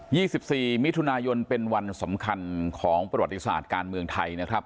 ี่สิบสี่มิถุนายนเป็นวันสำคัญของประวัติศาสตร์การเมืองไทยนะครับ